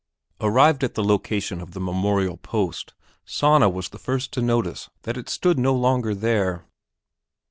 Arrived at the location of the memorial post, Sanna was the first to notice that it stood no longer there.